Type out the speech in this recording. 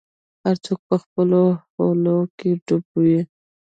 هر څوک به خپلو حولو کي ډوب وي